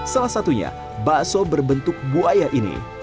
salah satunya bakso berbentuk buaya ini